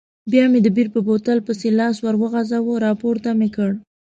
بیا مې د بیر په بوتل پسې لاس وروغځاوه، راپورته مې کړ.